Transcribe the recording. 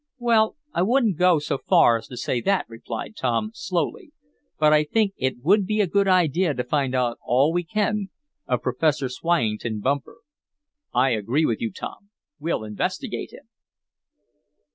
"Well, I wouldn't go so far as to say that," replied Tom, slowly. "But I think it would be a good idea to find out all we can of Professor Swyington Bumper." "I agree with you, Tom. We'll investigate him."